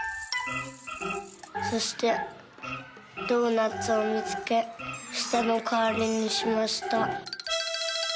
そしてドーナツをみつけしたのかわりにしました」。